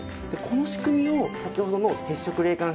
この仕組みを先ほどの接触冷感